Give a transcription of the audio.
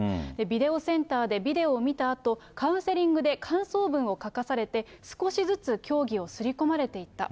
ビデオセンターでビデオを見たあと、カウンセリングで感想文を書かされて、少しずつ教義を刷り込まれていった。